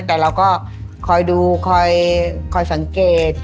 แต่เราก็คอยดูคอยสังเกต